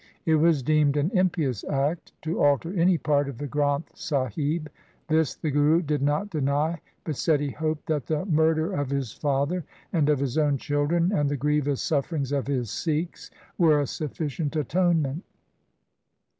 It was deemed an impious act to alter any part of the Granth Sahib. This the Guru did not deny, but said he hoped that the murder of his father and of his own children and the grievous sufferings of his Sikhs were a sufficient atonement.